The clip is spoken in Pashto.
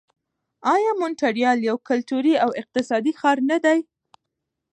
آیا مونټریال یو کلتوري او اقتصادي ښار نه دی؟